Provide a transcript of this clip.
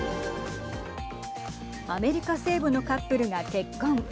アメリカ西部のカップルが結婚。